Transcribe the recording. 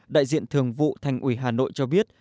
đại diện thường vụ thành ủy hà nội cho biết